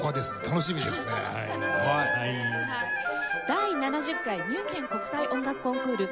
第７０回ミュンヘン国際音楽コンクール